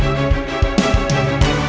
aku benci kamu